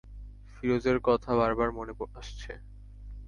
ফিরোজের কথা বারবার মনে আসছে।